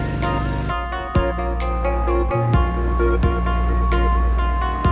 antun emang bileders ini mamam tentang laki laki kamu